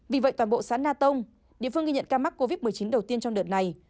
vì vậy toàn bộ xã na tông địa phương ghi nhận ca mắc covid một mươi chín đầu tiên trong đợt này